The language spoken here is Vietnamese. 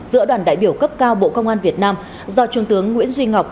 giữa đoàn đại biểu cấp cao bộ công an việt nam do trung tướng nguyễn duy ngọc